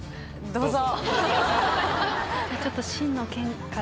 どうぞ。